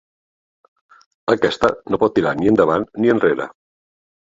Aquesta no pot tirar ni endavant ni enrere.